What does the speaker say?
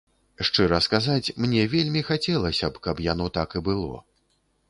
Шчыра сказаць, мне вельмі хацелася б, каб яно так і было.